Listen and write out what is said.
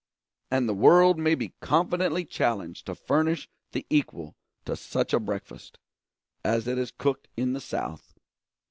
and the world may be confidently challenged to furnish the equal to such a breakfast, as it is cooked in the South.